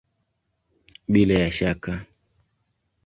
Bila ya shaka!